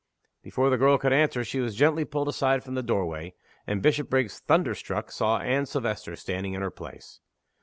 Before the girl could answer she was gently pulled aside from the doorway, and Bishopriggs, thunder struck, saw Anne Silvester standing in her place.